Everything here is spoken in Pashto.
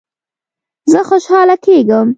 زه خوشحاله کیږم